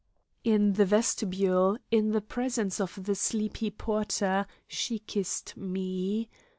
In the vestibule, in the presence of the sleepy porter, she kissed me.